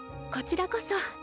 こちらこそ。